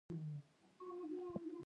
د لوګر غنم د کابل بازار ته راځي.